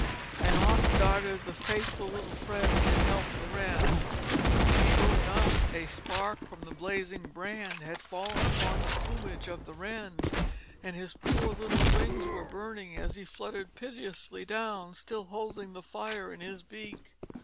And off darted the faithful little friend to help the Wren. Sure enough, a spark from the blazing brand had fallen upon the plumage of the Wren, and his poor little wings were burning as he fluttered piteously down, still holding the fire in his beak.